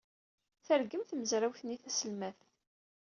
Tergem tmezrawt-nni taselmadt.